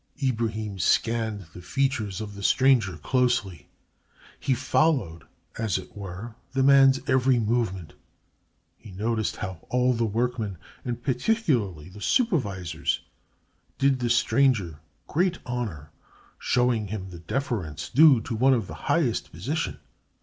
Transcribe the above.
Ibrahim scanned the features of the stranger closely; he followed, as it were, the man's every movement. He noticed how all the workmen and particularly the supervisors did the stranger great honor, showing him the deference due to one of the highest position.